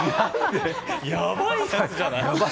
やばいやつじゃない？